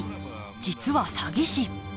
実は詐欺師。